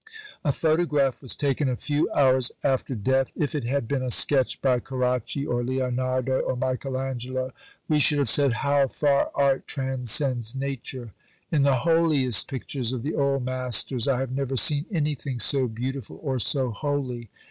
A photograph was taken a few hours after death. If it had been a sketch by Carracci, or Leonardo, or Michael Angelo, we should have said, How far Art transcends Nature. In the holiest pictures of the Old Masters, I have never seen anything so beautiful or so holy.